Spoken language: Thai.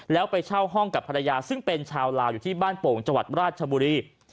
แล้วไปเช่าห้องกับภรรยาซึ่งเป็นชาวลาวอยู่ที่บ้านโป่งจังหวัดราชบุรี